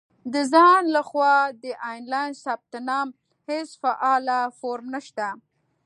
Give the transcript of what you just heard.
• د ځان له خوا د آنلاین ثبت نام هېڅ فعاله فورم نشته.